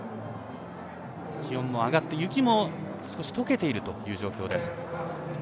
気温も上がって、雪も少し解けているという状況です。